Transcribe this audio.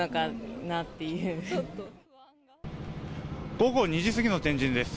午後２時過ぎの天神です。